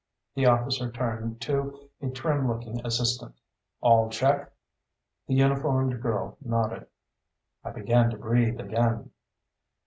The officer turned to a trim looking assistant. "All check?" The uniformed girl nodded. I began to breathe again.